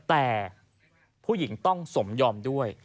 แต่ผู้หญิงต้องสมยอมด้วย